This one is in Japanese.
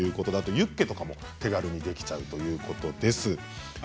ユッケなども手軽にできちゃうっていうことです。